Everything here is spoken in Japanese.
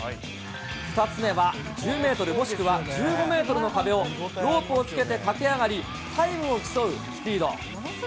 ２つ目は１０メートル、もしくは１５メートルの壁をロープをつけて駆け上がり、タイムを競うスピード。